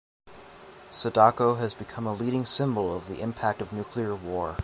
Sadako has become a leading symbol of the impact of nuclear war.